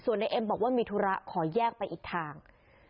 ส่วนในเอ็มบอกว่ามีธุระขอแยกไปอีกทาง